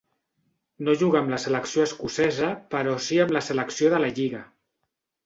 No jugà amb la selecció escocesa però si amb la selecció de la lliga.